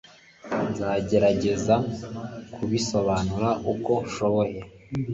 Nzagerageza kubisobanura uko nshoboye.